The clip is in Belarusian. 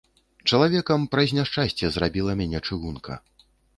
Чалавекам праз няшчасце зрабіла мяне чыгунка.